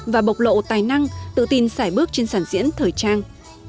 và bộc lộ tài năng tự tin sải bước trên sản diễn thời trang